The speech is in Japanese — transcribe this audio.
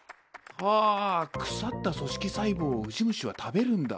はあ腐った組織細胞をウジ虫は食べるんだ。